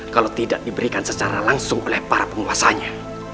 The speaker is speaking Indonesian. kalau tidak diberikan secara langsung oleh para penguasanya